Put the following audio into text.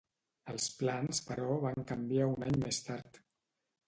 Els plans però van canviar un any més tard.